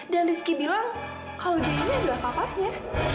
dan rizky bilang kalau dia ini adalah papahnya